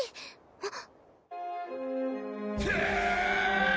あっ。